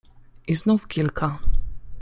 I znów kilka.